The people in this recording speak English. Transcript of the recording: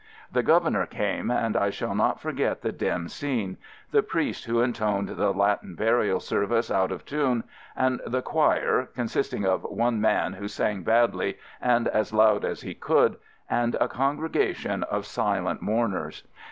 The Governor came, and I shall not forget the dim scene — the priest who intoned the Latin burial service out of tune, and the "choir" consisting of one man who sang badly and as loud as he could, and a congregation of silent mourn ers.